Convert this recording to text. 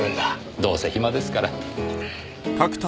どうせ暇ですから。